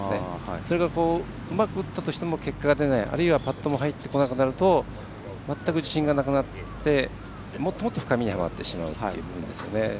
それが、うまく打ったとしても結果が出ない、あるいはパットも入ってこなくなると全く自信がなくなってもっと深みにはまってしまう部分ですよね。